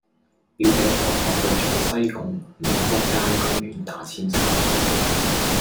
表姐放學去左西貢美福街公園打韆鞦